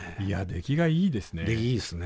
出来いいですね。